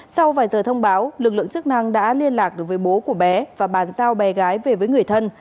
sau vài giờ thông báo lực lượng chức năng đã liên lạc được với bố của bé và bàn giao bé gái về với người thân